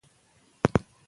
د سړيو هومره وړتيا نه لري.